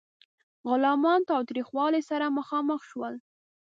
غلامان تاوتریخوالي سره مخامخ شول.